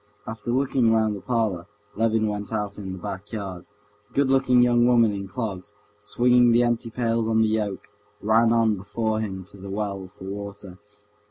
After looking round the parlor, Levin went out in the back yard. The good looking young woman in clogs, swinging the empty pails on the yoke, ran on before him to the well for water.